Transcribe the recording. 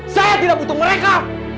saya tidak butuh mereka